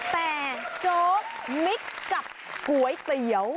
แต่โจ๊กมิกซ์กับก๋วยเตี๋ยว